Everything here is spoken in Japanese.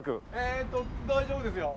えっと大丈夫ですよ。